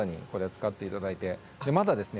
まだですね